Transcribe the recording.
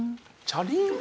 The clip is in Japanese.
チャリン？